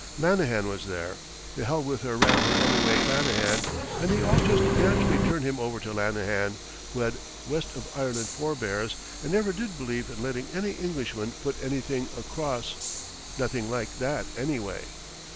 Lanahan was there the hell with her ram her anyway Lanahan and we all just naturally turned him over to Lanahan, who had west of Ireland forebears, and never did believe in letting any Englishman put anything across nothing like that anyway.